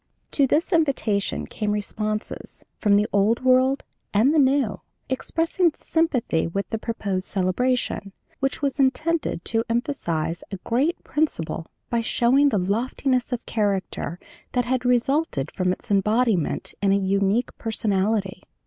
"To this invitation came responses, from the Old World and the New, expressing sympathy with the proposed celebration, which was intended to emphasize a great principle by showing the loftiness of character that had resulted from its embodiment in a unique personality.